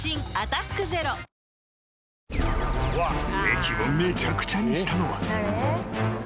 ［植木をめちゃくちゃにしたのは］